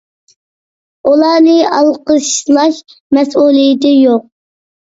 ئۇلارنى ئالقىشلاش مەسئۇلىيىتى يوق.